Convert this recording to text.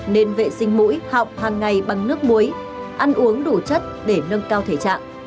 nên vệ sinh mũi họng hàng ngày bằng nước muối ăn uống đủ chất để nâng cao thể trạng